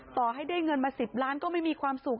ต่อให้ได้เงินมา๑๐ล้านก็ไม่มีความสุข